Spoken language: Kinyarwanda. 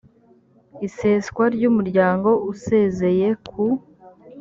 iseswa ry umuryango usezeye ku